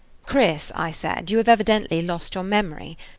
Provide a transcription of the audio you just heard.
"Chris," I said, "you have evidently lost your memory.